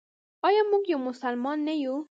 آیا موږ یو مسلمان نه یو؟